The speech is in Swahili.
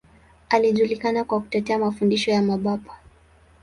Alijulikana kwa kutetea mafundisho ya Mapapa.